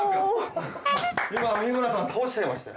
今三村さん倒しちゃいました。